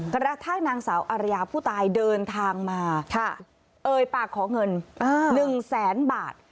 กระทั่งนางสาวอารยาผู้ตายเดินทางมาเอ่ยปากขอเงิน๑แสนบาท